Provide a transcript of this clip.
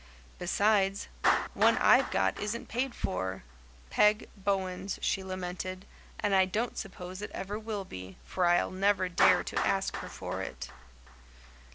"Besides, one I've got isn't paid for Peg Bowen's," she lamented, "and I don't suppose it ever will be, for I'll never dare to ask her for it."